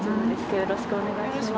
よろしくお願いします。